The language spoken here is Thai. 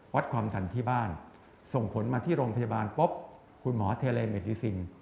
วัดความดันที่บ้านส่งผลมาที่โรงพยาบาลปุ๊บคุณหมอเทเลนเมติซิน